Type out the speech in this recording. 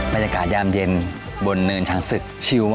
บริเวณที่เป็นหมอกเป็นเมฆอยู่เยอะด้านหลังผมเนี่ยนะครับ